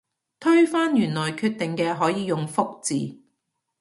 推翻原來決定嘅可以用覆字